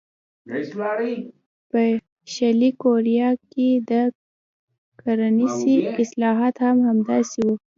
په شلي کوریا کې د کرنسۍ اصلاحات هم همداسې وو.